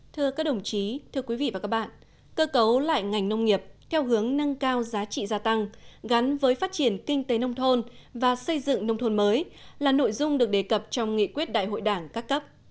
thưa các đồng chí thưa quý vị và các bạn cơ cấu lại ngành nông nghiệp theo hướng nâng cao giá trị gia tăng gắn với phát triển kinh tế nông thôn và xây dựng nông thôn mới là nội dung được đề cập trong nghị quyết đại hội đảng các cấp